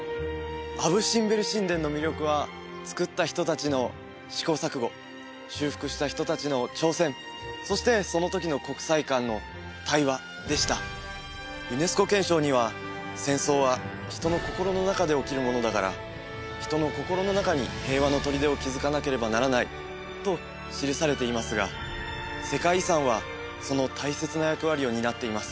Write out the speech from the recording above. アブ・シンベル神殿の魅力は造った人達の試行錯誤修復した人達の挑戦そしてその時の国際間の対話でしたユネスコ憲章には「戦争は人の心の中で起きるものだから」「人の心の中に平和のとりでを築かなければならない」と記されていますが世界遺産はその大切な役割を担っています